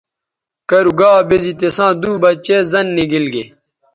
کرُو گا بے زی تِساں دُو بچے زَن نی گیل گے۔